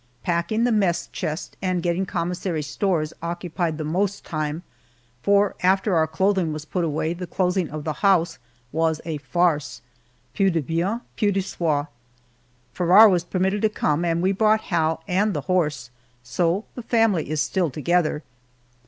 Packing the mess chest and getting commissary stores occupied the most time, for after our clothing was put away the closing of the house was a farce, "Peu de bien, peu de soin!" Farrar was permitted to come, and we brought Hal and the horse, so the family is still together.